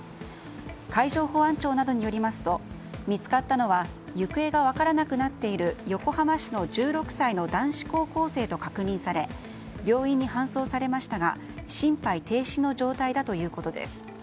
海上保安庁などによりますと見つかったのは行方が分からなくなっている横浜市の１６歳の男子高校生と確認され病院に搬送されましたが心肺停止の状態だということです。